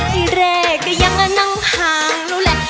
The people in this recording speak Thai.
ที่แรกก็ยังนั่งห่างนู้นแหละ